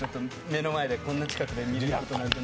目の前でこんな近くで見れるなんて。